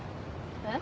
えっ？